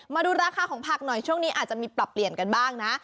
มาดูราคาของผักหน่อยช่วงนี้อาจจะมีปรับเปลี่ยนกันบ้างนะ